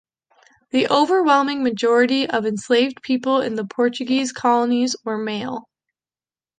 The overwhelming majority of enslaved people in the Portuguese colonies were male.